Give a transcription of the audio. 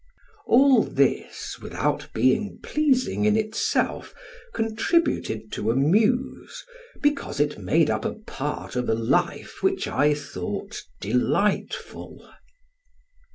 All this, without being pleasing in itself, contributed to amuse, because it made up a part of a life which I thought delightful.